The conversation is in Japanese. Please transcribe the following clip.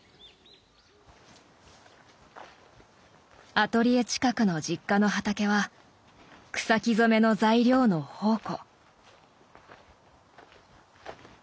アトリエ近くの実家の畑は草木染めの材料の宝庫。